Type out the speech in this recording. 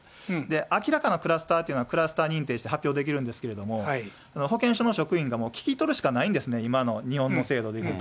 明らかなクラスターというのは、クラスター認定して、発表できるんですけれども、保健所の職員が聞き取るしかないんですね、今の日本の制度でいくと。